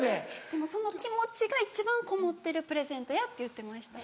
でもその気持ちが一番こもってるプレゼントやって言ってました。